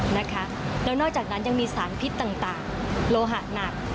แล้วนอกจากนั้นยังมีสารพิษต่างโลหะหนัก